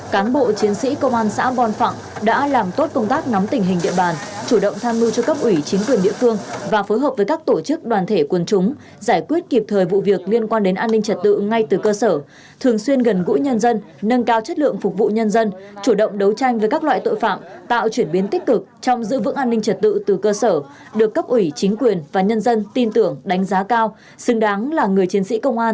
các bộ chiến sĩ công an xã bon phạm đã làm tốt công tác ngắm tình hình địa bàn chủ động tham mưu cho cấp ủy chính quyền địa phương và phối hợp với các tổ chức đoàn thể quần chúng giải quyết kịp thời vụ việc liên quan đến an ninh trật tự ngay từ cơ sở thường xuyên gần gũi nhân dân nâng cao chất lượng phục vụ nhân dân chủ động đấu tranh với các loại tội phạm tạo chuyển biến tích cực trong giữ vững an ninh trật tự từ cơ sở được cấp ủy chính quyền và nhân dân tin tưởng đánh giá cao xứng đáng là người chiến sĩ công an từ nhân